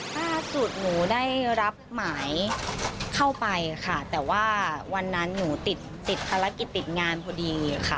ล่าสุดหนูได้รับหมายเข้าไปค่ะแต่ว่าวันนั้นหนูติดติดภารกิจติดงานพอดีค่ะ